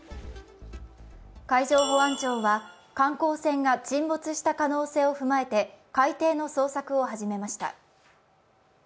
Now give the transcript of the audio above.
海上保安庁は観光船が沈没した可能性を踏まえて海底の捜索を始めました。